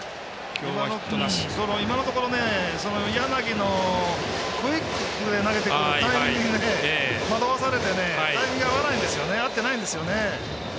今のところ、柳のクイックで投げてくるタイミング惑わされてタイミング合ってないんですよね。